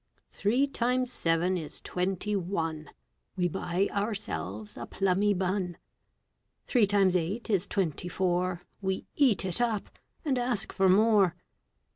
Three times seven is twenty one, We buy ourselves a plummy bun. Three times eight is twenty four, We eat it up, and ask for more.